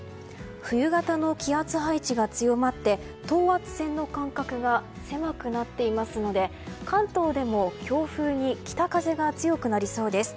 冬型の気圧配置が強まって等圧線の間隔が狭くなっていますので関東でも強風に北風が強くなりそうです。